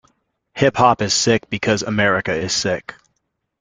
Hip hop is sick because America is sick.